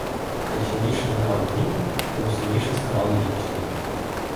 Та чим більше минало днів, тим сумніше ставало дівчині.